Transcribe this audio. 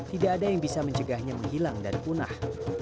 tidak ada yang bisa mencegahnya menghilang dan punah